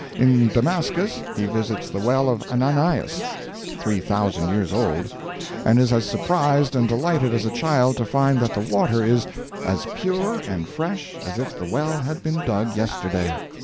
In Damascus he visits the well of Ananias, three thousand years old, and is as surprised and delighted as a child to find that the water is "as pure and fresh as if the well had been dug yesterday."